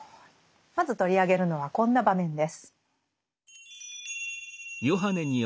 まず取り上げるのはこんな場面です。